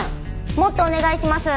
もっとお願いします。